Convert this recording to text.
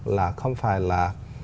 là không phải là